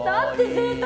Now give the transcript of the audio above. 贅沢！